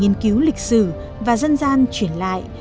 khi các nhà nghiên cứu lịch sử và dân gian chuyển lại